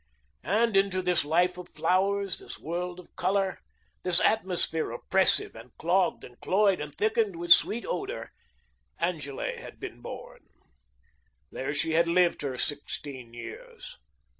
And into this life of flowers, this world of colour, this atmosphere oppressive and clogged and cloyed and thickened with sweet odour, Angele had been born. There she had lived her sixteen years.